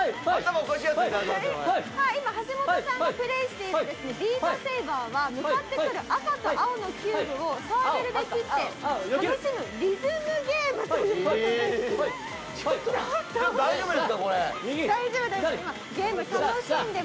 今、橋本さんがプレーしているＢｅａｔＳａｂｅｒは向かってくる赤と青のキューブをサーベルで切って楽しむリズムゲームということで。